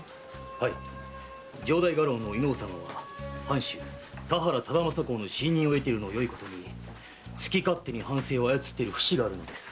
はい城代家老・飯尾様は藩主・田原忠政公の信任を得ているのをよいことに好き勝手に藩政を操っている節があるのです。